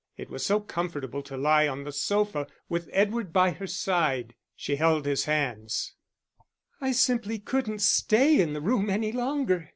It was so comfortable to lie on the sofa, with Edward by her side. She held his hands. "I simply couldn't stay in the room any longer.